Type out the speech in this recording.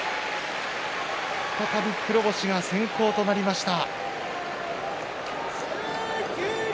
再び黒星が先行となりました。